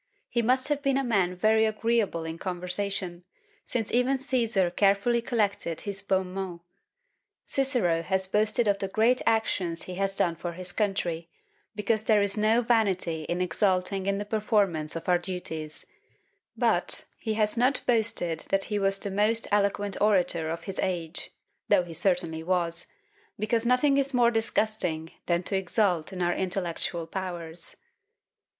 He must have been a man very agreeable in conversation, since even Cæsar carefully collected his bons mots. Cicero has boasted of the great actions he has done for his country, because there is no vanity in exulting in the performance of our duties; but he has not boasted that he was the most eloquent orator of his age, though he certainly was; because nothing is more disgusting than to exult in our intellectual powers."